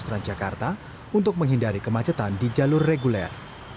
penyerobotan jalur khusus transjakarta untuk menghindari kemacetan di jalur reguler